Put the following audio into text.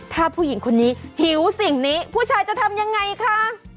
ถ้าผู้หญิงคนนี้หิวสิ่งนี้ผู้ชายจะทำยังไงคะ